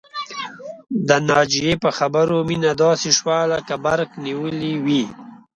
د ناجيې په خبرو مينه داسې شوه لکه برق نيولې وي